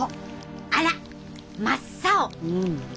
あらっ真っ青！